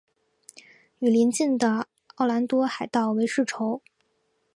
与邻近地区的奥兰多海盗为世仇。